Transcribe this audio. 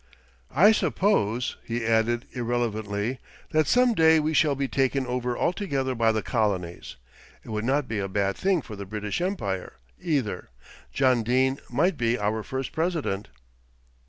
I suppose," he added irrelevantly, "that some day we shall be taken over altogether by the colonies. It would not be a bad thing for the British Empire, either. John Dene might be our first president."